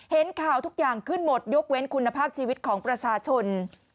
เห็นข่าวทุกอย่างขึ้นหมดยกเว้นคุณภาพชีวิตของประชาชน